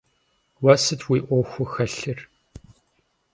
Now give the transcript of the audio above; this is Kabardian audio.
Уэ сыт уи ӏуэхуу хэлъыр?